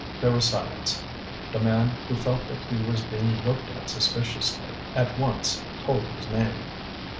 There was silence. The man, who felt that he was being looked at suspiciously, at once told his name.